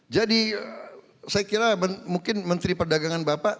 jadi saya kira mungkin menteri perdagangan bapak